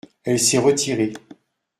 Elle s’est retirée.